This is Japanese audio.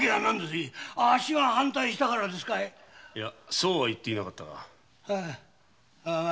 そうは言っていなかったが。